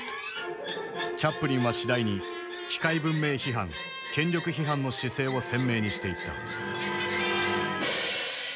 チャップリンは次第に機械文明批判権力批判の姿勢を鮮明にしていった。